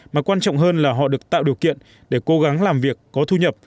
mà quan trọng hơn là họ được tạo điều kiện để cố gắng làm việc có thu nhập